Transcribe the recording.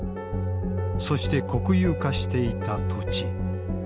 そして国有化していた土地。